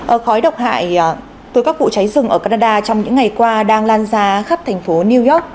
ở khói độc hại từ các vụ cháy rừng ở canada trong những ngày qua đang lan ra khắp thành phố new york